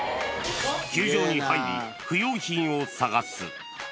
球場に入り、不要品を探す。